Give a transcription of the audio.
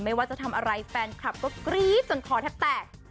ไม่ว่าจะทำอะไรแฟนคลับก็กรี๊ดจนคอแทบแตก